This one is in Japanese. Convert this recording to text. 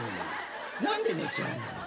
何で寝ちゃうんだろう。